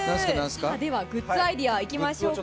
ではグッズアイデアいきましょうか。